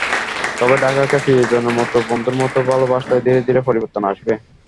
তবে ঢাকাকে প্রিয়জনের মতো, বন্ধুর মতো ভালোবাসলে ধীরে ধীরে পরিবর্তন আসবে।